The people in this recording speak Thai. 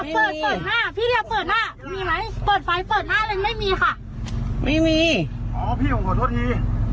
มีไหมเปิดไฟเปิดหน้าเลยไม่มีค่ะไม่มีอ๋อพี่ผมขอโทษที